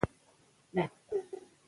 دا اثر په ادبیاتو کې بې سارې مقام لري.